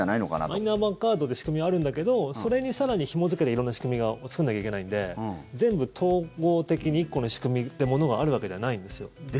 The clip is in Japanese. マイナンバーカードで仕組みはあるんだけどそれに更にひも付けて色んな仕組みを作らなきゃいけないので全部、統合的にこの仕組みってものがあるわけじゃないんですよ。